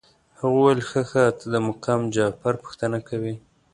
هغه ویل ښه ښه ته د مقام جعفر پوښتنه کوې.